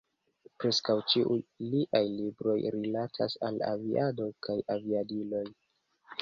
Preskaŭ ĉiuj liaj libroj rilatas al aviado kaj aviadiloj.